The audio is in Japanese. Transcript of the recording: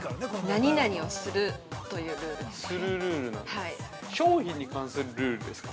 ◆何々をするというルールですね。